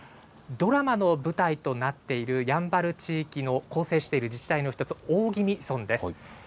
ドラマの舞台となっているやんばる地域の構成している自治体の一つ、大宜味村です。